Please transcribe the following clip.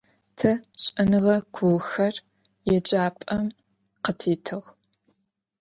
Te ş'enığe kuuxer yêcap'em khıtitığ.